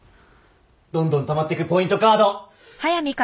どんどんたまってくポイントカード！